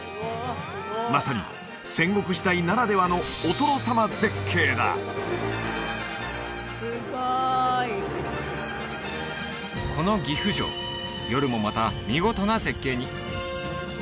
まさに戦国時代ならではのお殿様絶景だこの岐阜城夜もまた見事な絶景に！